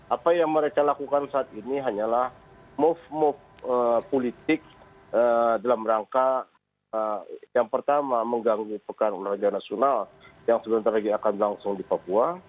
apa yang mereka lakukan saat ini hanyalah move move politik dalam rangka yang pertama mengganggu pekan olahraga nasional yang sebentar lagi akan langsung di papua